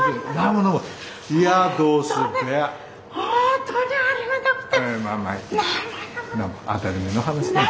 ほんとにありがたくて。